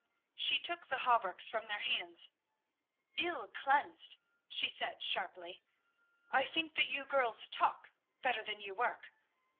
She took the hauberks from their hands. "Ill cleansed," she said sharply. "I think that you girls talk better than you work.